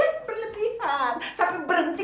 jangan berlebihan sampai berhenti